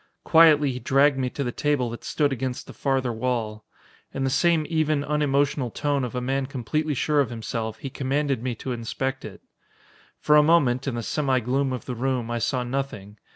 Quietly he dragged me to the table that stood against the farther wall. In the same even, unemotional tone of a man completely sure of himself, he commanded me to inspect it. For a moment, in the semi gloom of the room, I saw nothing.